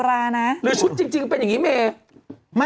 เอ๊ะหนอถ่างใส่ไม่ได้